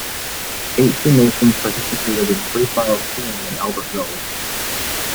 Eighteen nations participated in freestyle skiing at Albertville.